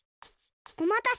おまたせ。